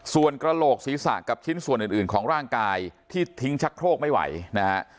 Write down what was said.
ส่วนกระโหลกศีรษะกับชิ้นส่วนอื่นของร่างกายที่ทิ้งชักโครกไม่ไหวนะฮะ